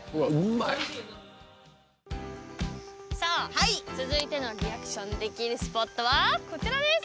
さあ続いてのリアクションできるスポットはこちらです。